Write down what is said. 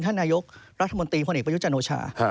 ท่านนายกรัฐมนตรีพ่ออีกประยุทธ์จานโนชา